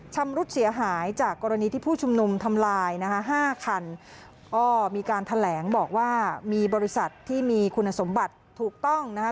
ชำรุดเสียหายจากกรณีที่ผู้ชุมนุมทำลายนะคะห้าคันก็มีการแถลงบอกว่ามีบริษัทที่มีคุณสมบัติถูกต้องนะคะ